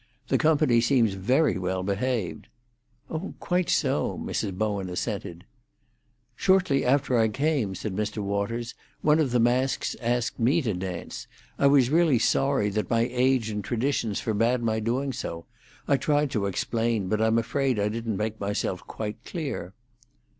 The company seems very well behaved." "Oh, quite so," Mrs. Bowen assented. "Shortly after I came," said Mr. Waters, "one of the masks asked me to dance. I was really sorry that my age and traditions forbade my doing so. I tried to explain, but I'm afraid I didn't make myself quite clear."